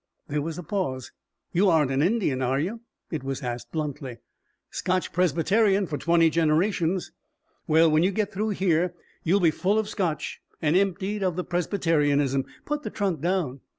There was a pause. "You aren't an Indian, are you?" It was asked bluntly. "Scotch Presbyterian for twenty generations." "Well, when you get through here, you'll be full of Scotch and emptied of the Presbyterianism. Put the trunk down."